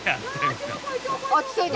落ち着いて。